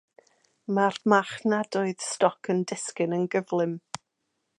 Mae'r marchnadoedd stoc yn disgyn yn gyflym.